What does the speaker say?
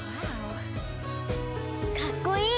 かっこいい！